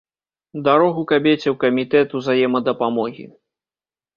Дарогу кабеце ў камітэт узаемадапамогі!